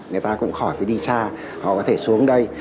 người ta cũng khỏi phải đi xa họ có thể xuống đây